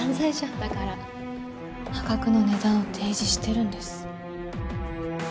だから破格の値段を提示してるんです。